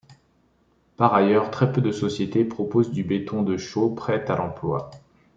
Par ailleurs, très peu de sociétés proposent du béton de chaux prêt à l'emploi.